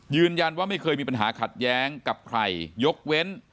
ยืนยันว่าไม่เคยมีปัญหาขัดแย้งกับใครยกเว้น